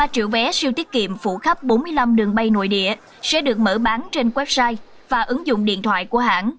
ba triệu vé siêu tiết kiệm phủ khắp bốn mươi năm đường bay nội địa sẽ được mở bán trên website và ứng dụng điện thoại của hãng